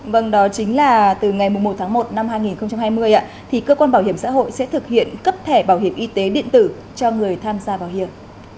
vâng đó chính là từ ngày một tháng một năm hai nghìn hai mươi thì cơ quan bảo hiểm xã hội sẽ thực hiện cấp thẻ bảo hiểm y tế điện tử cho người tham gia bảo hiểm